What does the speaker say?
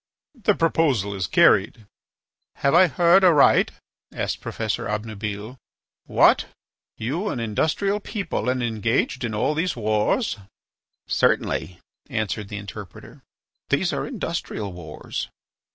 ..." "The proposal is carried." "Have I heard aright?" asked Professor Obnubile. "What? you an industrial people and engaged in all these wars!" "Certainly," answered the interpreter, "these are industrial wars.